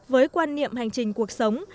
với quan niệm hành trình cuộc sống